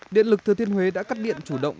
điện lực thừa thiên huế đã cắt điện chủ động